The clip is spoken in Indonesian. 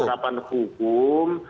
membuat penerapan hukum